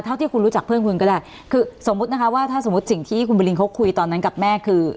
เท่าที่คุณรู้จักเพื่อนคุณก็ได้คือสมมุตินะคะว่าถ้าสมมุติสิ่งที่คุณบุรินเขาคุยตอนนั้นกับแม่คือ